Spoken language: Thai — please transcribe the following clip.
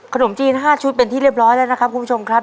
ขนมจีน๕ชุดเป็นที่เรียบร้อยแล้วนะครับคุณผู้ชมครับ